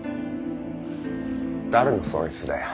誰の損失だよ？